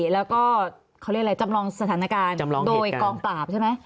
แล้วก็เขาเรียกอะไรจำลองสถานการณ์โดยกองปราบใช่ไหม